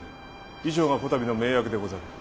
以上がこたびの盟約でござる。